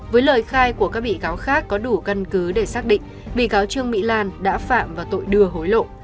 với lời khai của các bị cáo khác có đủ căn cứ để xác định bị cáo trương mỹ lan đã phạm và tội đưa hối lộ